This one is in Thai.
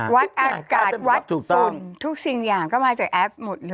วัดอากาศวัดฝุ่นทุกสิ่งอย่างก็มาจากแอฟหมดเลย